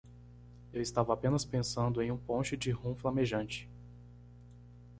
Eu estava apenas pensando em um ponche de rum flamejante.